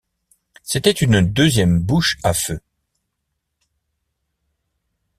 C’était une deuxième bouche à feu.